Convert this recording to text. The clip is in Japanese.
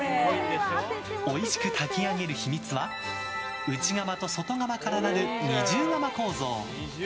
おいしく炊き上げる秘密は内釜と外釜からなる二重釜構造。